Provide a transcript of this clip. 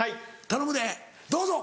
頼むでどうぞ。